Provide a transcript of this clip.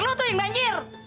lu tuh yang banjir